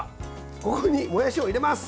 ここにもやしを入れます。